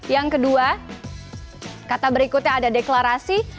yang kedua kata berikutnya ada deklarasi